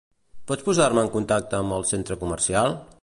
Pots posar-me en contacte amb el centre comercial?